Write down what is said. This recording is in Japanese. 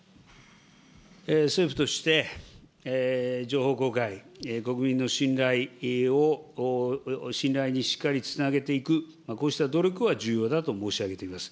政府として、情報公開、国民の信頼を、信頼にしっかりつなげていく、こうした努力は重要だと申し上げています。